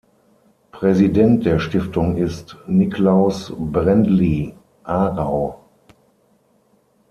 Präsident der Stiftung ist Niklaus Brändli, Aarau.